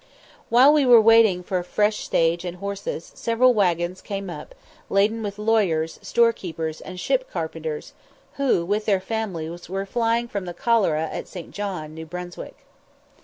While we were waiting for a fresh stage and horses, several waggons came up, laden with lawyers, storekeepers, and ship carpenters, who with their families were flying from the cholera at St. John, New Brunswick.